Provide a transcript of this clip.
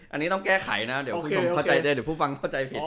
อันนี้ต้องแก้ไขนะเดี๋ยวคุณผู้ชมเข้าใจได้เดี๋ยวผู้ฟังเข้าใจผิด